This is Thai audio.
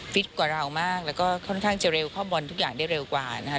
ฟิตกว่าเรามากแล้วก็ค่อนข้างจะเร็วเข้าบอลทุกอย่างได้เร็วกว่านะคะ